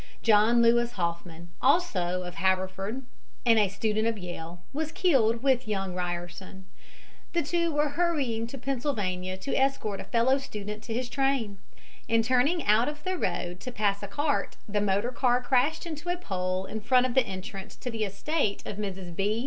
John Lewis Hoffman, also of Haverford and a student of Yale, was killed with young Ryerson. The two were hurrying to Philadelphia to escort a fellow student to his train. In turning out of the road to pass a cart the motor car crashed into a pole in front of the entrance to the estate of Mrs. B.